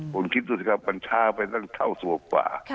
คุณคิดดูสิครับมันช้าไปตั้งเท่าตัวกว่า